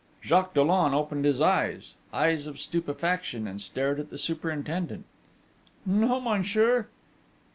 Jacques Dollon opened his eyes eyes of stupefaction and stared at the superintendent: 'No, monsieur.'